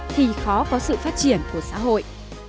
thì khó có sự phát triển của xã hội